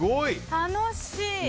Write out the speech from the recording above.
楽しい！